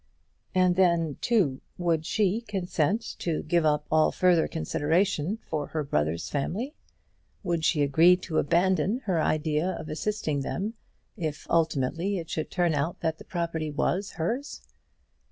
And then, too, would she consent to give up all further consideration for her brother's family? Would she agree to abandon her idea of assisting them, if ultimately it should turn out that the property was hers?